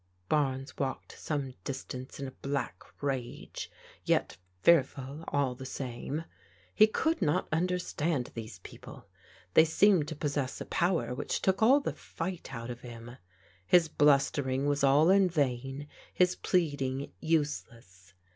Barnes walked some distance in a black rage, yet fear ful all the same. He could not understand these people. They seemed to possess a power which took all the fight out of him. His blustering was all in vain, his pleading useless.